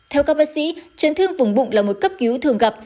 theo các bác sĩ chấn thương vùng bụng là một cấp cứu thường gặp